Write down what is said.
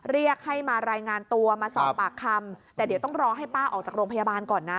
เรียกให้มารายงานตัวมาสอบปากคำแต่เดี๋ยวต้องรอให้ป้าออกจากโรงพยาบาลก่อนนะ